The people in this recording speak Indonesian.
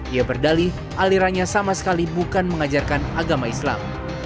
ia berdalih alirannya sama sekali bukan mengajarkan agama islam